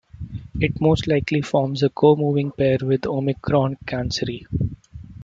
It most likely forms a co-moving pair with Omicron Cancri.